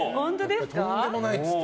とんでもないって。